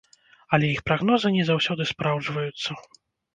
Але іх прагнозы не заўсёды спраўджваюцца.